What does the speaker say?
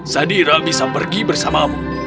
sadira bisa pergi bersamamu